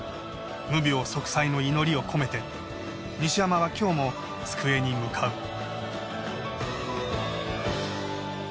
無病息災の祈りを込めて西山は今日も机に向かう。